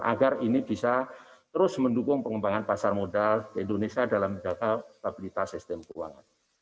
agar ini bisa terus mendukung pengembangan pasar modal di indonesia dalam menjaga stabilitas sistem keuangan